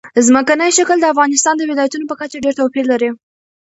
ځمکنی شکل د افغانستان د ولایاتو په کچه ډېر توپیر لري.